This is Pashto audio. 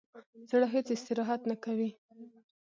زړه هیڅ استراحت نه کوي.